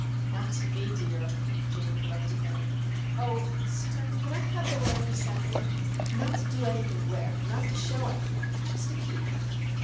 "Not to me, dear," Jane corrected him. "Oh, sir, could I have the letter he sent me? Not to do anything with. Not to show anyone. Just to keep."